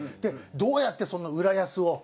どうやってその浦安を。